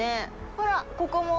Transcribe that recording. ほら、ここも。